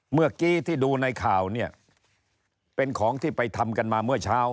เมื่อกี้ที่ดูในข่าวเนี่ยเป็นของที่ไปทำกันมาเมื่อเช้า